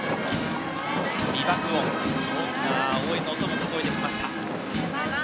美爆音、大きな応援の音が聴こえてきました。